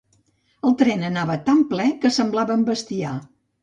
El tren anava tan ple que semblàvem bestiar.